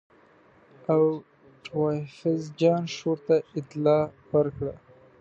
اوټوایفز جان شور ته اطلاع ورکړه.